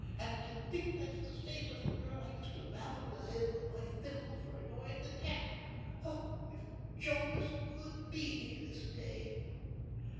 "And to think that's the same little girl I used to rap on the head with my thimble for annoying the cat! Oh, if Jonas could be here this day."